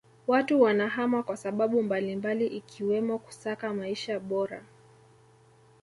Watu wanahama kwa sababu mbalimbali ikiwemo kusaka maisha bora